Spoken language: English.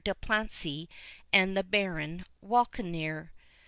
de Plancy and the Baron Walkenaër.